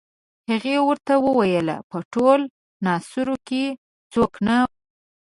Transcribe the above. هغې ورته وویل په ټول ناصرو کې څوک نه وو.